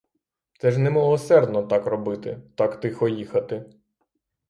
Це ж немилосердно так робити — так тихо їхати!